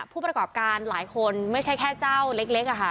ผู้ประกอบการหลายคนไม่ใช่แค่เจ้าเล็กอะค่ะ